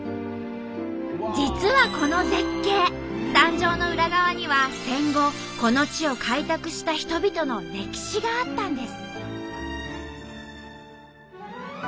実はこの絶景誕生の裏側には戦後この地を開拓した人々の歴史があったんです。